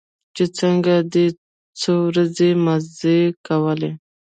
چې څنگه دې څو ورځې مزې کولې.